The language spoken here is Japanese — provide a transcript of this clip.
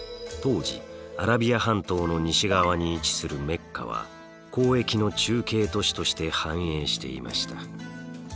当時アラビア半島の西側に位置するメッカは交易の中継都市として繁栄していました。